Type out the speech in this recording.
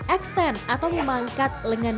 extend atau memangkat lengan bujang